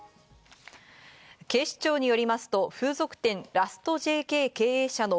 警視庁によりますと風俗店、ラストＪＫ経営者の